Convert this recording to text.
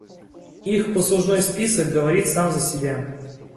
Их послужной список говорит сам за себя.